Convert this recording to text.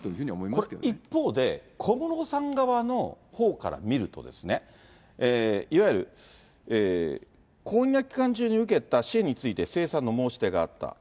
これ、一方で、小室さん側のほうから見ると、いわゆる婚約期間中に受けた支援について清算の申し出があった。